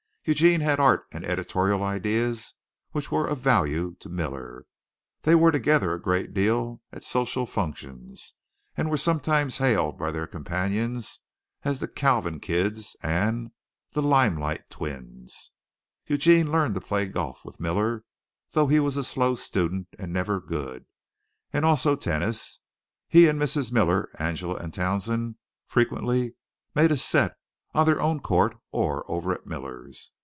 Eugene had art and editorial ideas which were of value to Miller. They were together a great deal at social functions, and were sometimes hailed by their companions as the "Kalvin Kids," and the "Limelight Twins." Eugene learned to play golf with Miller, though he was a slow student and never good, and also tennis. He and Mrs. Miller, Angela and Townsend, frequently made a set on their own court or over at Miller's.